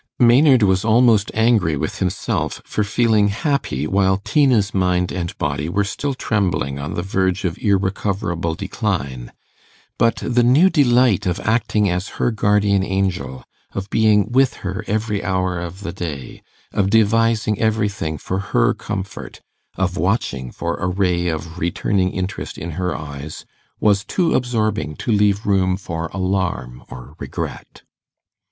Maynard was almost angry with himself for feeling happy while Tina's mind and body were still trembling on the verge of irrecoverable decline; but the new delight of acting as her guardian angel, of being with her every hour of the day, of devising everything for her comfort, of watching for a ray of returning interest in her eyes, was too absorbing to leave room for alarm or regret.